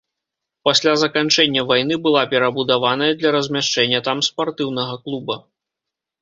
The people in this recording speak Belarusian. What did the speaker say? Пасля заканчэння вайны была перабудаваная для размяшчэння там спартыўнага клуба.